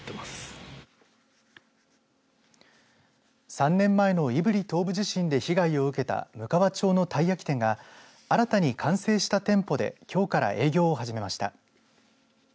３年前の胆振東部地震で被害を受けたむかわ町のたい焼き店が新たに完成した店舗できょうから営業を始めました。